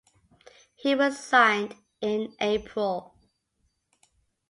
He resigned in April.